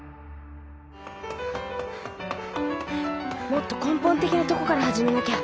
「もっと根本的なとこから始めなきゃ」。